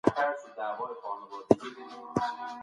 که ژبه ونه ساتو کلتور کمزوری کېږي.